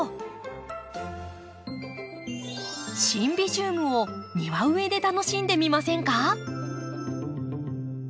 シンビジウムを庭植えで楽しんでみませんか？